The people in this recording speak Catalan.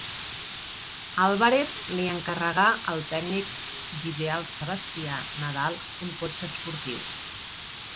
Álvarez li encarregà al tècnic d'Ideal Sebastià Nadal un cotxe esportiu.